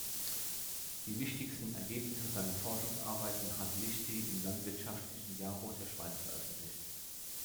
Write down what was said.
Die wichtigsten Ergebnisse seiner Forschungsarbeiten hat Liechti im "Landwirtschaftlichen Jahrbuch der Schweiz" veröffentlicht.